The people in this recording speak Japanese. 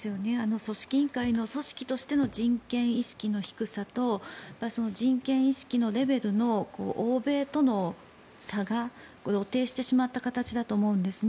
組織委員会の組織としての人権意識の低さと人権意識のレベルの欧米との差が露呈してしまった形だと思うんですね。